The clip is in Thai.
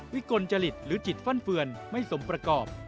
กลจริตหรือจิตฟั่นเฟือนไม่สมประกอบ